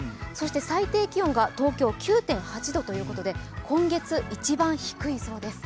最低気温が東京は９．８度ということで今月一番低いそうです。